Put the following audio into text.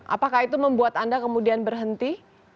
apakah itu membuat anda kemudian berhenti